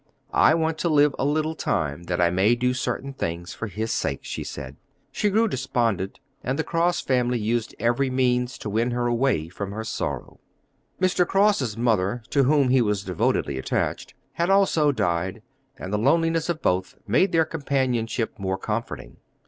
"I want to live a little time that I may do certain things for his sake," she said. She grew despondent, and the Cross family used every means to win her away from her sorrow. Mr. Cross' mother, to whom he was devotedly attached, had also died, and the loneliness of both made their companionship more comforting.